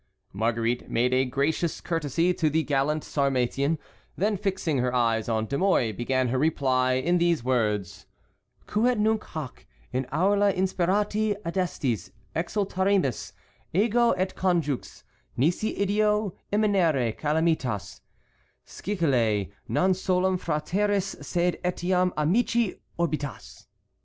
Marguerite made a gracious courtesy to the gallant Sarmatian; then fixing her eyes on De Mouy, began her reply in these words: "Quod nunc hac in aulâ insperati adestis exultaremus, ego et conjux, nisi ideo immineret calamitas, scilicet non solum fratris sed etiam amici orbitas."